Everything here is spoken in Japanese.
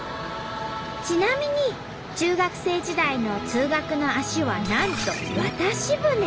ちなみに中学生時代の通学の足はなんと渡し船。